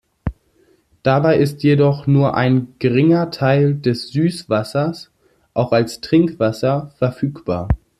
Dabei ist jedoch nur ein geringer Teil des Süßwassers auch als Trinkwasser verfügbar.